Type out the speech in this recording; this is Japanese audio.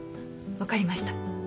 分かりました。